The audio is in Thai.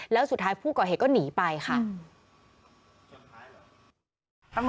แล้วสุดท้ายผู้ก่อเหตุก็หนีไปค่ะ